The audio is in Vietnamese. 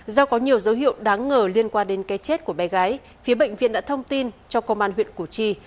do có nhiều dấu hiệu đáng ngờ liên quan đến cái chết của bé gái phía bệnh viện đã thông tin cho công an huyện củ chi